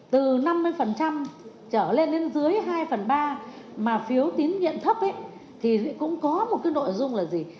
từ năm mươi trở lên đến dưới hai phần ba mà phiếu tín nhiệm thấp thì cũng có một cái nội dung là gì